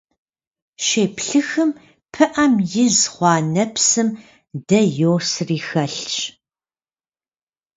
Щеплъыхым, пыӀэм из хъуа нэпсым дэ йосри хэлъщ